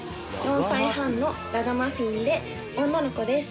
４歳半のラガマフィンで女の子です。